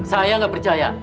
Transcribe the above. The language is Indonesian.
saya gak percaya